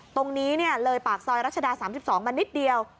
ตรงนี้เลยปากซอยรัชดา๓๒มานิดเดียว